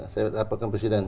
saya bilang apa ke presiden